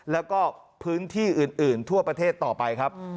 แล้วก็พื้นที่อื่นทั่วประเทศต่อไปครับ